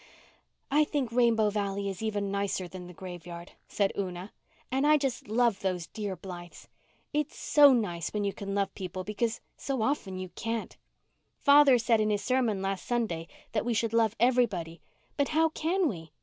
"I think Rainbow Valley is even nicer than the graveyard," said Una. "And I just love those dear Blythes. It's so nice when you can love people because so often you can't. Father said in his sermon last Sunday that we should love everybody. But how can we?